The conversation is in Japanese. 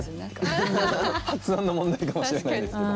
発音の問題かもしれないですけど。